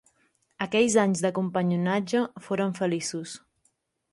Aquells anys de companyonatge foren feliços.